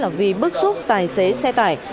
là vì bức xúc tài xế xe tải